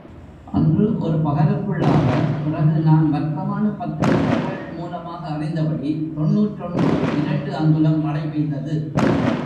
அன்று ஒரு பகலுக்குள்ளாக, பிறகு நான் வர்த்தமானப் பத்திரிகைகள் மூலமாக அறிந்தபடி தொன்னூற்றொன்று இரண்டு அங்குலம் மழை பெய்தது!